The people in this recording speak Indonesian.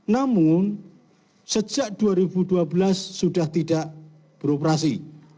namun sejak dua ribu dua belas sudah tidak beroperasi